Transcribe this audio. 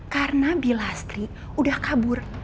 karena bilastri udah kabur